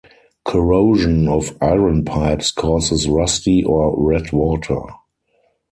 Corrosion of iron pipes causes rusty or red water.